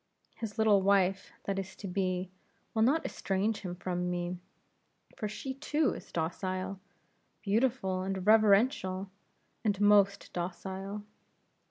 His little wife, that is to be, will not estrange him from me; for she too is docile, beautiful, and reverential, and most docile.